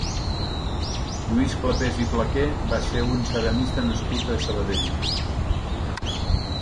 Lluís Clapés i Flaqué va ser un ceramista nascut a Sabadell.